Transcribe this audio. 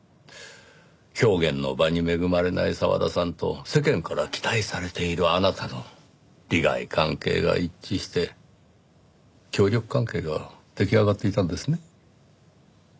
表現の場に恵まれない澤田さんと世間から期待されているあなたの利害関係が一致して協力関係が出来上がっていたんですね？